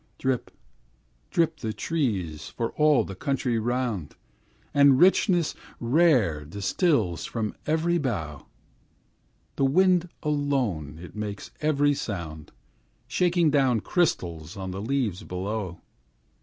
Drip drip the trees for all the country round, And richness rare distills from every bough; The wind alone it is makes every sound, Shaking down crystals on the leaves below.